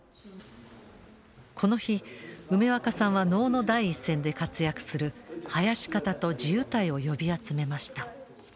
この日梅若さんは能の第一線で活躍する囃子方と地謡を呼び集めました。